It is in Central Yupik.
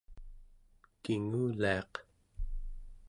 kinguliaq